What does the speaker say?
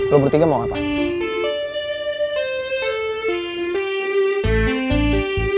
lo bertiga mau ngapain